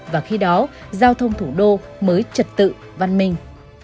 và khi đó giao thông thủ đô mới trật tự văn minh